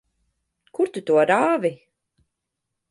Kur tu to rāvi?